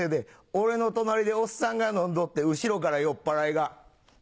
俺の隣でおっさんが飲んどって後ろから酔っぱらいが。